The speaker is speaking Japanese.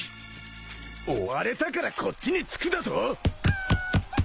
追われたからこっちにつくだと！？